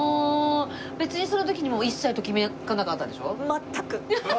別にその時にも一切ときめかなかったんでしょ？